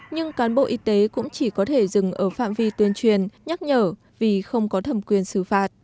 nhưng cán bộ y tế cũng chỉ có thể dừng ở phạm vi tuyên truyền nhắc nhở vì không có thẩm quyền xử phạt